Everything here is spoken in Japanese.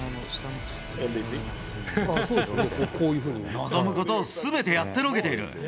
望むことをすべてやってのけている。